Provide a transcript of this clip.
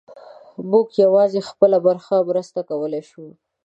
موږ یوازې خپله برخه مرسته کولی شو.